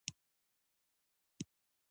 مصباح الحق یو تجربه لرونکی لوبغاړی وو.